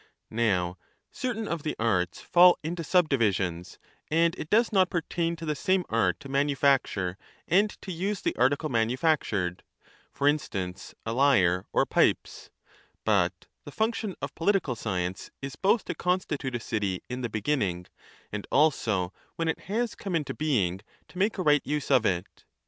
Now certain of the arts fall into sub divisions, and it does 5 not pertain to the same art to manufacture and to use the article manufactured, for instance, a lyre or pipes ; but the function of political science is both to constitute a city in the beginning and also when it has come into being to make a right use of it.